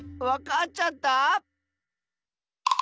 わかっちゃった？